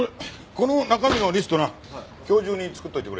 この中身のリストな今日中に作っておいてくれ。